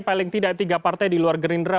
paling tidak tiga partai di luar gerindra